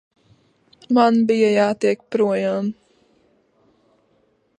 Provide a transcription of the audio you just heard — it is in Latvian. Man bija jātiek projām.